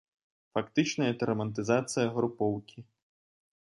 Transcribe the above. Фактычна гэта рамантызацыя групоўкі.